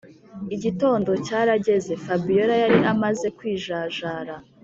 igitondo cyarageze fabiora yari yamaze kwijajara